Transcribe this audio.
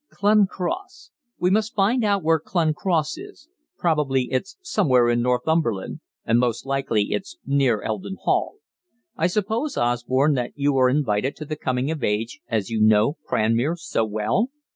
'Clun Cross.' We must find out where Clun Cross is; probably it's somewhere in Northumberland, and most likely it's near Eldon Hall. I suppose, Osborne, that you are invited to the coming of age, as you know Cranmere so well?"